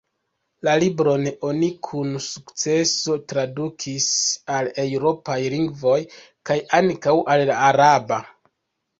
La libron oni kun sukceso tradukis al eŭropaj lingvoj, kaj ankaŭ al la araba.